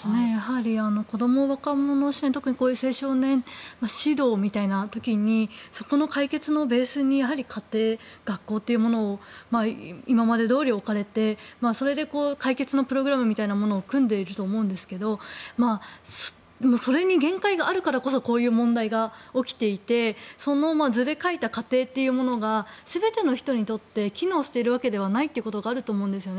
子ども若者、特にこういう青少年指導みたいな時にそこの解決のベースにやはり家庭、学校というものを今までどおりおいておいてそれで解決のプログラムみたいなものを組んでいると思うんですがそれに限界があるからこそこういう問題が起きていてそのまま図で書いた家庭というものが全ての人にとって機能しているわけではないと思うんですね。